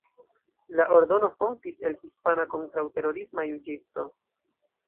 La ordono fontis el hispana kontraŭterorisma juĝisto.